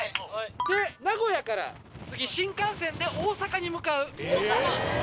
名古屋から新幹線で大阪に向かう。